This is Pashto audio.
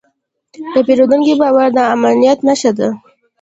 د پیرودونکي باور د امانت نښه ده.